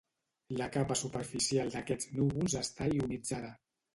La capa superficial d'aquests núvols està ionitzada.